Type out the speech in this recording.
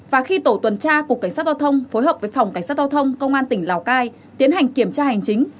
và khi tổ tuần tra cục cảnh sát giao thông phối hợp với phòng cảnh sát giao thông công an tỉnh lào cai tiến hành kiểm tra hành chính